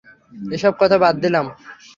এসব কথা বাদ দিলাম।